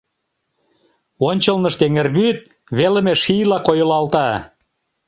Ончылнышт эҥер вӱд велыме шийла койылалта.